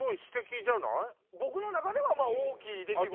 僕の中では大きい出来事。